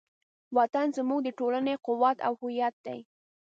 وطن زموږ د ټولنې قوت او هویت دی.